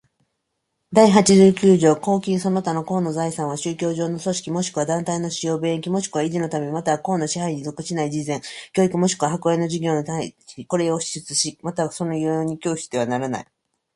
第八十九条公金その他の公の財産は、宗教上の組織若しくは団体の使用、便益若しくは維持のため、又は公の支配に属しない慈善、教育若しくは博愛の事業に対し、これを支出し、又はその利用に供してはならない。